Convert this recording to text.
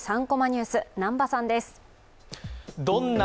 ３コマニュース」、南波さん。